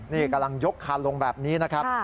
นี่กำลังยกคานลงแบบนี้นะครับ